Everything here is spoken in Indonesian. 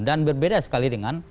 dan berbeda sekali dengan